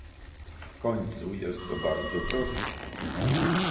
W końcu jest to bardzo proste